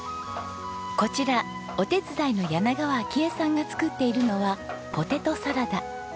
こちらお手伝いの柳川明恵さんが作っているのはポテトサラダ。